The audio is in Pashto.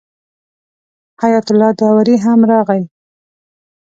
حیات الله داوري هم راغی.